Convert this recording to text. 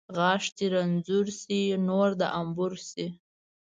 غاښ چې رنځور شي ، نور د انبور شي .